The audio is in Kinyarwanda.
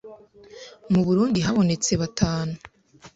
mu Burundi habonetse batanu,